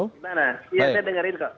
gimana ya saya dengerin kok